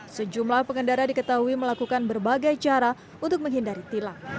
sejumlah pengendara diketahui melakukan berbagai cara untuk menghindari tilang